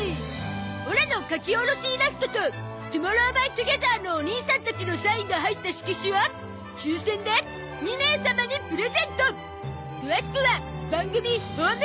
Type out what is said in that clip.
オラの描き下ろしイラストと ＴＯＭＯＲＲＯＷＸＴＯＧＥＴＨＥＲ のお兄さんたちのサインが入った色紙を抽選で２名様にプレゼント！